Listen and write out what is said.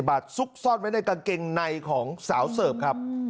บาทซุกซ่อนไว้ในกางเกงในของสาวเสิร์ฟครับ